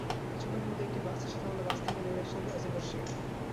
কিছুক্ষণের মধ্যে একটি বাস এসে থামলে বাস থেকে নেমে আসেন আজিবর শেখ।